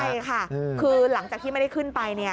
ใช่ค่ะคือหลังจากที่ไม่ได้ขึ้นไปเนี่ย